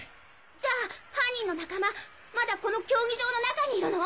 じゃあ犯人の仲間まだこの競技場の中にいるの？